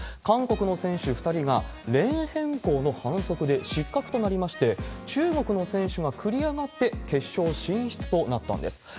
韓国の選手２人がレーン変更の反則で失格となりまして、中国の選手が繰り上がって決勝進出となったんです。